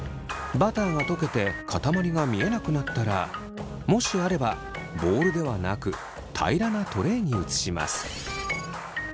バターが溶けてかたまりが見えなくなったらもしあればボウルではなく平らなトレイに移します。